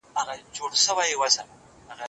احتکار کوونکي به د خپلو اعمالو سزا وویني.